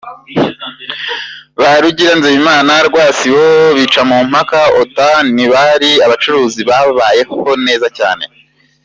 Ba Rugira, Nzeyimana, Rwasibo, Bicamumpaka, Otto, ntibari abacuruzi babayeho neza cyane ?